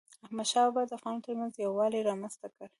احمدشاه بابا د افغانانو ترمنځ یووالی رامنځته کړ.